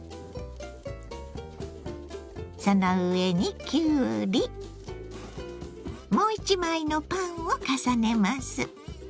その上にきゅうりもう１枚のパンを重ねます。